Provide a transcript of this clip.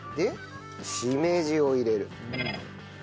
しめじを入れる。